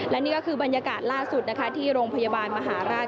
และนี่ก็คือบรรยากาศล่าสุดนะคะที่โรงพยาบาลมหาราช